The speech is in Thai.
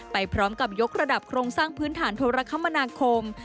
ไปพร้อมกับยกระดับโครงสร้างพื้นฐานโทรคมนาคม